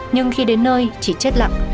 nhưng khi đến nơi chị chết lặng